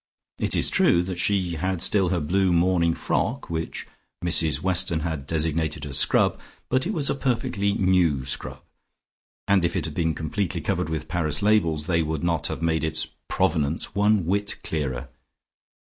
It is true that she had still her blue morning frock, which Mrs Weston had designated as Scrub, but it was a perfectly new Scrub, and if it had been completely covered with Paris labels, they would not have made its provenance one whit clearer.